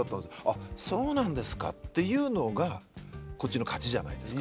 あそうなんですかっていうのがこっちの勝ちじゃないですか。